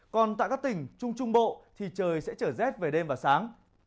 còn tại các tỉnh trung trung bộ thì trời sẽ trở rét về đêm và sáng